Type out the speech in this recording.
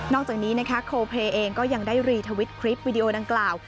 จากนี้นะคะโคเพลย์เองก็ยังได้รีทวิตคลิปวิดีโอดังกล่าว